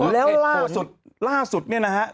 แล้วล่าสุดเนี่ยนะครับ